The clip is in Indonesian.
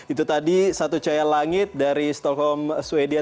itu tadi satu cahaya langit dari stockholm sweden